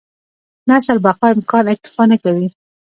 نسل بقا امکان اکتفا نه کوي.